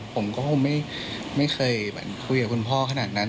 ผมก็คงไม่เคยคุยกับคุณพ่อขนาดนั้น